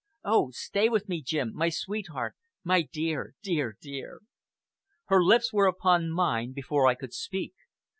Oh! stay with me, Jim my sweetheart my dear! dear! dear!" Her lips were upon mine before I could speak.